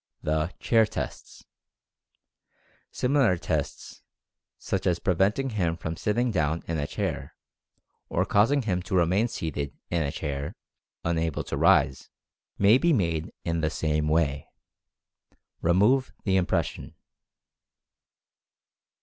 THE "CHAIR" TESTS. Similar tests such as preventing him from sitting down in a chair; or causing him to remain seated in a chair, unable to rise; may be made in the same way. Remove the impression.